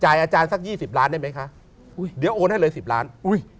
อาจารย์สักยี่สิบล้านได้ไหมคะอุ้ยเดี๋ยวโอนให้เลยสิบล้านอุ้ย